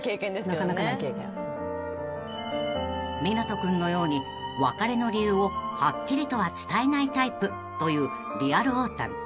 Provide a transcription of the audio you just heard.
［湊斗君のように別れの理由をはっきりとは伝えないタイプというリアルおーたん］